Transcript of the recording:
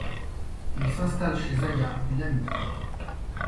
Il s'installe chez Zaïa, une amie.